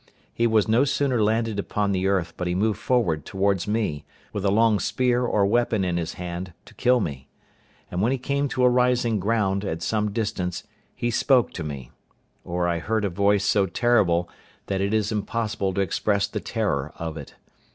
He was no sooner landed upon the earth, but he moved forward towards me, with a long spear or weapon in his hand, to kill me; and when he came to a rising ground, at some distance, he spoke to me—or I heard a voice so terrible that it is impossible to express the terror of it.